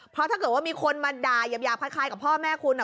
เพราะถ้าเกิดว่ามีคนมาด่ายาบคล้ายกับพ่อแม่คุณ